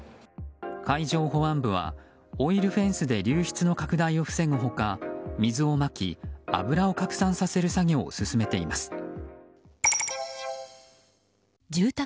海上保安部はオイルフェンスで流出の拡大を防ぐ他、水をまき油を拡散させる作業を進めています。